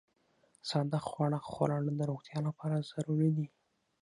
ساده خواړه خوړل د روغتیا لپاره ضروري دي.